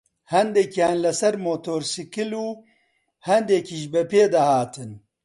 هەندێکیان لەسەر مۆتۆرسکیل و هەندێکیش بەپێ دەهاتن